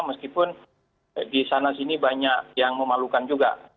meskipun di sana sini banyak yang memalukan juga